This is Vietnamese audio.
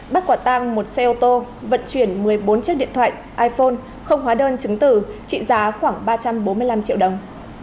bắt quả tang một xe ô tô vận chuyển một mươi bốn chiếc điện thoại iphone không hóa đơn chứng tử trị giá khoảng ba trăm bốn mươi năm triệu đồng